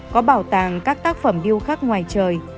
có bảo tàng các tác phẩm điêu khắc ngoài trời